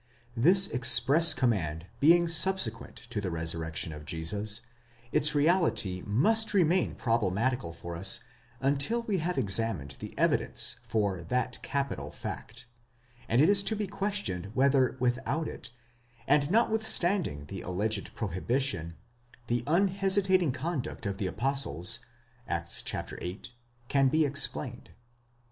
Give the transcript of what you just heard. This express command being subsequent to the resurrection of Jesus, its reality must remain problematical for us until we have examined the evidence for that capital fact; and it is to be questioned whether without it, and notwithstanding the alleged prohibition, the unhesitating conduct of the apostles, Acts viii., can be explained.